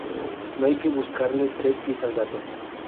No hay que buscarle tres pies al gato